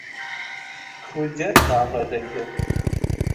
Һүҙҙәр тағы өҙөлдө.